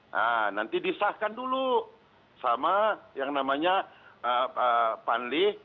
nah nanti disahkan dulu sama yang namanya panli